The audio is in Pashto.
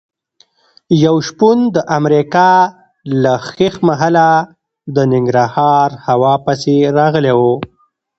یو شپون د امریکا له ښیښ محله د ننګرهار هوا پسې راغلی و.